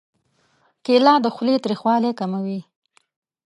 کېله د خولې تریخوالی کموي.